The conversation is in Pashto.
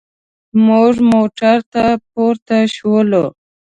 موږ موټر ته پورته شولو.